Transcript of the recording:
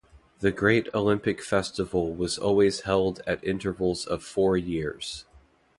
The great Olympic festival was always held at intervals of four years.